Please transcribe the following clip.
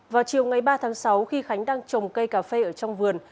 vào chiều ngày ba tháng sáu khi khánh đang trồng cây cà phê ở trong vườn